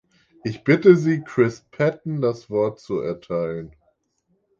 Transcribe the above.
Ich bitte Sie, Chris Patten das Wort zu erteilen.